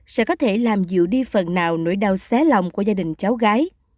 sẽ có thể làm dịu đi phần nào nỗi đau xé lòng của gia đình cháu gái